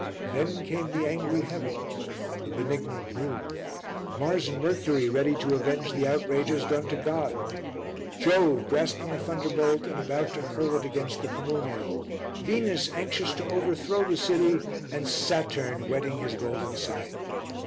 Then came the Angry Heavens, the Benignant Moon, Mars and Mercury ready to avenge the outrages done to God; Jove grasping a thunderbolt and about to hurl it against the comune, Venus anxious to overthrow the city, and Saturn whetting his golden scythe.